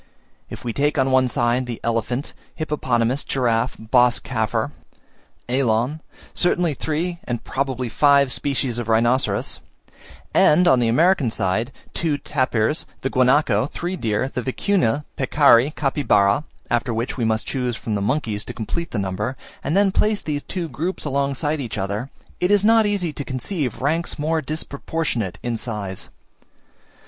If we take on the one side, the elephant, hippopotamus, giraffe, bos caffer, elan, certainly three, and probably five species of rhinoceros; and on the American side, two tapirs, the guanaco, three deer, the vicuna, peccari, capybara (after which we must choose from the monkeys to complete the number), and then place these two groups alongside each other, it is not easy to conceive ranks more disproportionate in size.